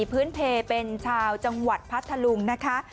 พื้นเพลเป็นชาวจังหวัดพัทธลุงนะคะ